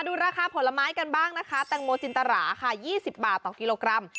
เนื้อแดงโมจินตรา๒๐บาทต่อกิโลกรัม